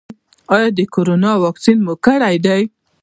ایا د کرونا واکسین مو کړی دی؟